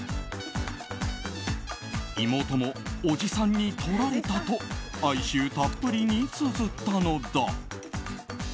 妹もおじさんにとられたと哀愁たっぷりにつづったのだ。